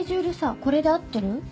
これで合ってる？